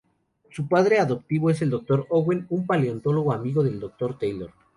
Su padre adoptivo es el Dr. Owen, un paleontólogo amigo del Dr. Taylor.